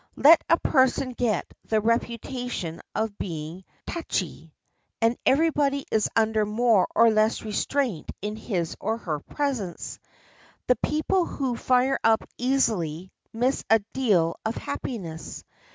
Let a person get the reputation of being touchy, and every body is under more or less restraint in his or her presence. The people who fire up easily miss a deal of happiness.